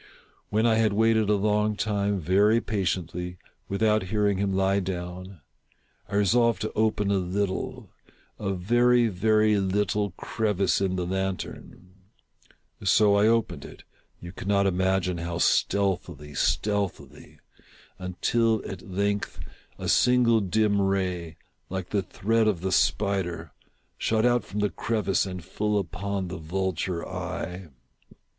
When I had waited a long time, very patiently, without hearing him lie down, I resolved to open a little — a very, very little crevice in the lantern. So I opened it — you cannot imagine how stealthily, stealthily — until, at length, a single dim ray, like the thread of the spider, shot from out the crevice and full upon the vulture eye.